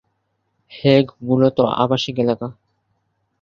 Hague মূলতঃ আবাসিক এলাকা।